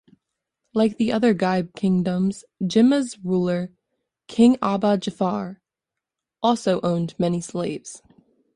Like the other Gibe kingdoms, Jimma's ruler King Abba Jifar also owned many slaves.